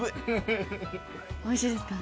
おいしいですか。